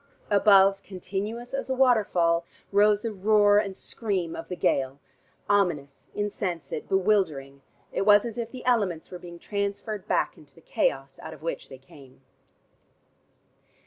Above, continuous as a water fall, rose the roar and scream of the gale, ominous, insensate, bewildering: it was as if the elements were being transferred back into the chaos out of which they came.